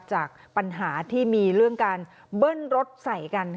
จากปัญหาที่มีเรื่องการเบิ้ลรถใส่กัน